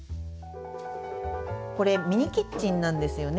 これミニキッチンなんですよね。